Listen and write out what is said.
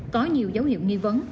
có nhiều dấu hiệu nghi vấn